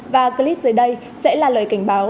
và clip dưới đây sẽ là lời cảnh báo